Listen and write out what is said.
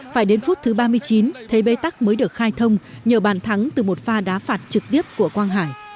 phải đến phút thứ ba mươi chín thế bế tắc mới được khai thông nhờ bàn thắng từ một pha đá phạt trực tiếp của quang hải